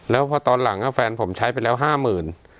แล้วต่อหลังแฟนผมใช้ไปแล้ว๕หมื่น